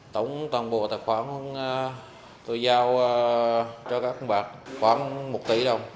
tổng toàn bộ tài khoản tôi giao cho các bạc khoảng một tỷ đồng